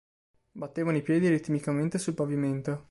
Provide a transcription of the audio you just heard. Battevano i piedi ritmicamente sul pavimento.